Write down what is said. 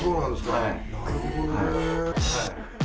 なるほどね。